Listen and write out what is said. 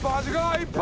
１本！